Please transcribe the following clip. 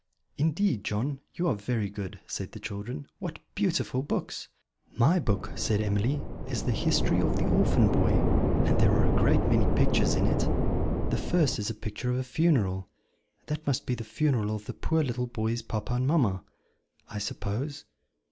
"Indeed, John, you are very good," said the children. "What beautiful books!" "My book," said Emily, "is 'The History of the Orphan Boy,' and there are a great many pictures in it: the first is a picture of a funeral that must be the funeral of the poor little boy's papa and mamma, I suppose."